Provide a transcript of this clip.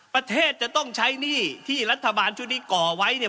ประเทศจะต้องใช้หนี้ที่รัฐบาลชุดนี้ก่อไว้เนี่ย